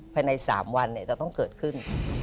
ภายใน๓วันจะต้องเกิดขึ้น